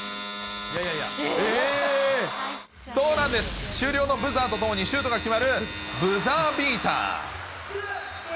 そうなんです、終了のブザーとともにシュートが決まる、ブザービーター。